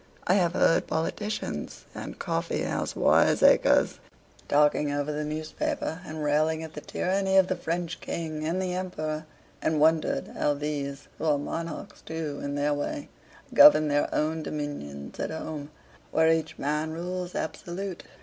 I have heard politicians and coffee house wiseacres talking over the newspaper, and railing at the tyranny of the French King, and the Emperor, and wondered how these (who are monarchs, too, in their way) govern their own dominions at home, where each man rules absolute.